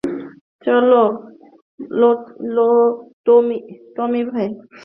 চলো, টমি ভাই।